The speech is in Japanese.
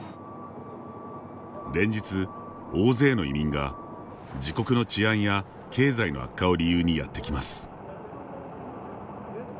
連日、大勢の移民が自国の治安や経済の悪化を理由にやってきます。